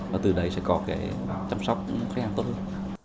và từ đấy sẽ có cái chăm sóc khách hàng tốt hơn